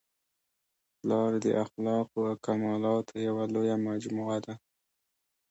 پلار د اخلاقو او کمالاتو یوه لویه مجموعه ده.